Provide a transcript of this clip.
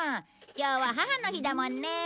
今日は母の日だもんね。